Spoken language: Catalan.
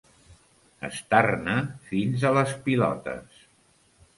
Estar-ne fins a les pilotes.